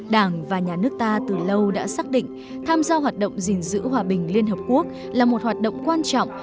đảng và nhà nước ta từ lâu đã xác định tham gia hoạt động gìn giữ hòa bình liên hợp quốc là một hoạt động quan trọng